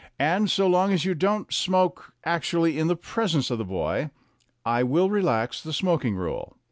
And, so long as you don't smoke actually in the presence of the boy, I will relax the smoking rule.